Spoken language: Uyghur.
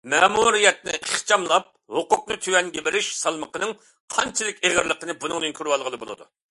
مەمۇرىيەتنى ئىخچاملاپ، ھوقۇقنى تۆۋەنگە بېرىش سالمىقىنىڭ قانچىلىك ئېغىرلىقىنى بۇنىڭدىن كۆرۈۋالغىلى بولىدۇ.